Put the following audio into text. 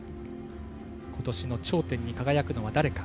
ことしの頂点に輝くのは誰か。